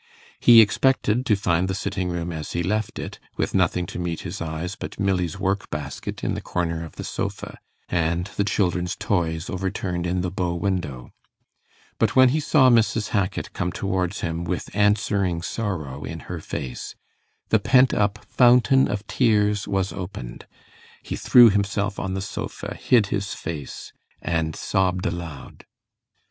He expected to find the sitting room as he left it, with nothing to meet his eyes but Milly's work basket in the corner of the sofa, and the children's toys overturned in the bow window. But when he saw Mrs. Hackit come towards him with answering sorrow in her face, the pent up fountain of tears was opened; he threw himself on the sofa, hid his face, and sobbed aloud.